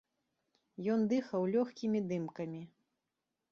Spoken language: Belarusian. Ён дыхаў лёгкімі дымкамі.